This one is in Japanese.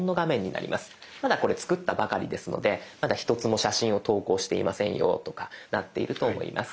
まだこれ作ったばかりですのでまだ１つも写真を投稿していませんよとかなっていると思います。